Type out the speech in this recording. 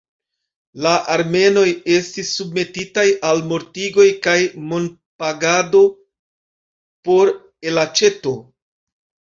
La armenoj estis submetitaj al mortigoj kaj monpagado por elaĉeto.